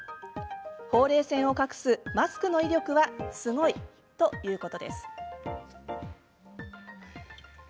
ほうれい線を隠すマスクの威力はすごい！ということです。